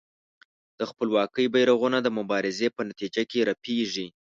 د خپلواکۍ بېرغونه د مبارزې په نتیجه کې رپېږي.